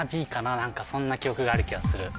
何かそんな記憶がある気がする。